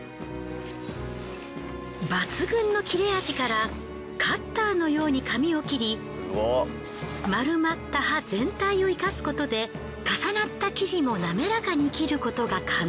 抜群の切れ味からカッターのように紙を切り丸まった刃全体を生かすことで重なった生地も滑らかに切ることが可能。